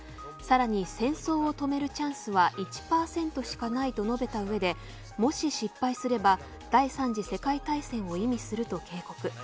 さらに戦争を止めるチャンスは１％しかないと述べたうえでもし失敗すれば第３次世界大戦を意味すると警告。